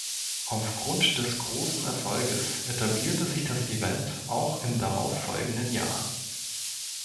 Aufgrund des großen Erfolges etablierte sich das Event auch im darauf folgenden Jahr.